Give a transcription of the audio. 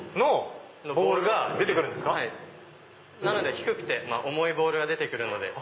低くて重いボールが出て来るので。